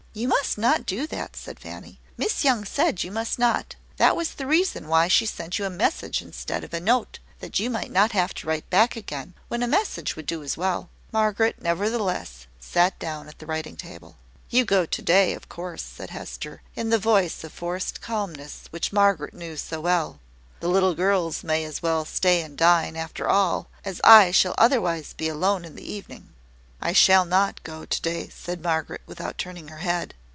"You must not do that," said Fanny. "Miss Young said you must not. That was the reason why she sent you a message instead of a note that you might not have to write back again, when a message would do as well." Margaret, nevertheless, sat down at the writing table. "You go to day, of course," said Hester, in the voice of forced calmness which Margaret knew so well. "The little girls may as well stay and dine, after all, as I shall otherwise be alone in the evening." "I shall not go to day," said Margaret, without turning her head.